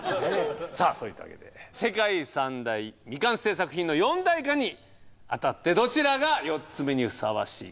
さあそういったわけで世界三大未完成作品の四大化にあたってどちらが４つ目にふさわしいか？